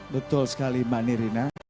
betul sekali mbak nirina